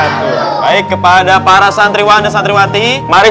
ini dimulai ayo mawsat sebelumnya teammates at the pra functions nah untuk hai kau dan gelik